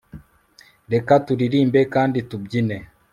reka turirimbe kandi tubyine